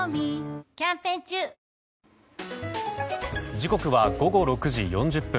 時刻は午後６時４０分。